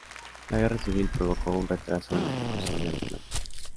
La Guerra Civil provocó un retraso en la ejecución de los planes.